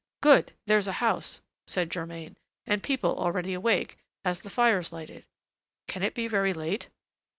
"Good! there's a house," said Germain, "and people already awake, as the fire's lighted. Can it be very late?"